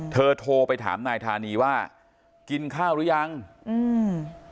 โทรไปถามนายธานีว่ากินข้าวหรือยังอืม